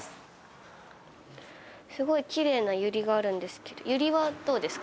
すごいきれいなユリがあるんですけどユリはどうですか？